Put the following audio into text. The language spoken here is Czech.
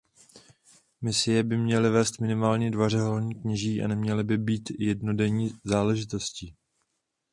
Misie by měli vést minimálně dva řeholní kněží a neměly by být jednodenní záležitostí.